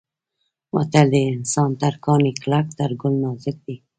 متل دی: انسان تر کاڼي کلک تر ګل نازک دی.